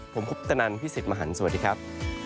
ผมคุปตนันพี่สิทธิ์มหันฯสวัสดีครับ